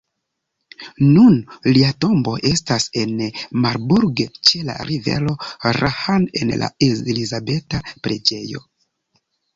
Nun lia tombo estas en Marburg ĉe la rivero Lahn en la Elizabeta preĝejo.